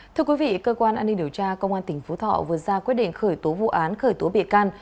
thưa quý vị cơ quan an ninh điều tra công an tỉnh phú thọ vừa ra quyết định khởi tố vụ án khởi tố bị can